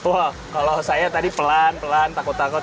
wah kalau saya tadi pelan pelan takut takut